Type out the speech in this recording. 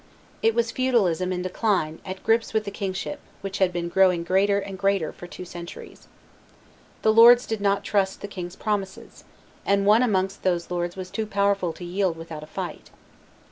It was feudalism in decline at grips with the kingship, which had been growing greater and greater for two centuries. The lords did not trust the king's promises; and one amongst those lords was too powerful to yield without a fight.